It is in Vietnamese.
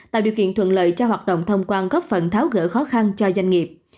tạo điều kiện thuận lợi cho hoạt động thông quan góp phần tháo gỡ khó khăn cho doanh nghiệp